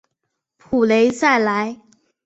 普雷赛莱。